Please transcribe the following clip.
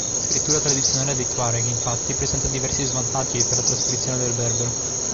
La scrittura tradizionale dei tuareg, infatti, presenta diversi svantaggi per la trascrizione del berbero.